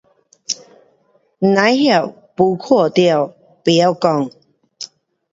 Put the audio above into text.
不知道.沒見过.不会讲